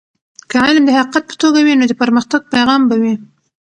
که علم د حقیقت په توګه وي نو د پرمختګ پیغام به وي.